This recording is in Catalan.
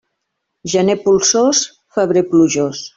Gener polsós, febrer plujós.